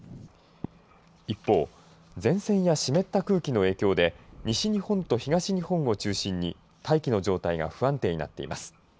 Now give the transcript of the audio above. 一方、前線や湿った空気の影響で西日本と東日本を中心に大気の状態が不安定になっています。